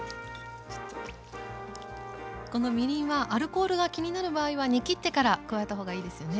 このみりんはアルコールが気になる場合は煮きってから加えた方がいいですよね。